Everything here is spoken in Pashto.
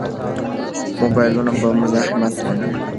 موبایلونه به مزاحمت ونه کړي.